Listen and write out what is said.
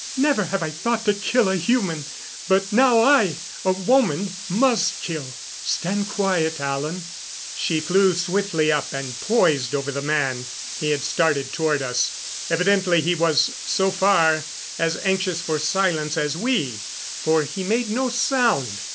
"Never have I thought to kill a human. But now I a woman must kill. Stand quiet, Alan." She flew swiftly up and poised over the man. He had started toward us. Evidently he was, so far, as anxious for silence as we, for he made no sound.